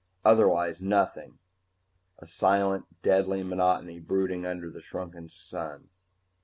Otherwise nothing a silent, deadly monotony brooding under the shrunken sun.